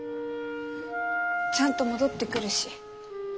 ちゃんと戻ってくるし。